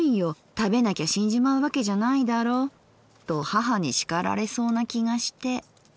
食べなきゃ死んじまう訳じゃないだろう』と母に叱られそうな気がして。